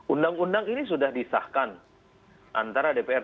undang undang ini sudah disahkan antara dpr dan pemerintah